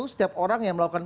setiap orang yang melakukan